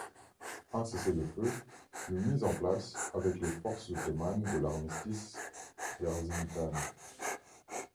Un cessez-le-feu fut mis en place avec les forces ottomanes lors de l'armistice d'Erzincan.